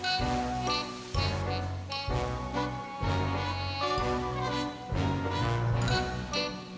เขาเก็บแยวนี่เหรอ